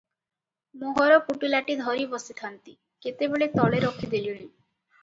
ମୋହର ପୁଟୁଳାଟି ଧରି ବସିଥାନ୍ତି, କେତେବେଳେ ତଳେ ରଖି ଦେଲେଣି ।